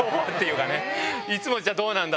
いつもはじゃあどうなんだ？